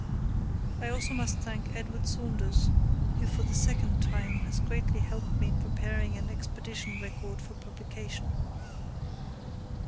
I also must thank Edward Saunders, who for the second time has greatly helped me in preparing an Expedition record for publication.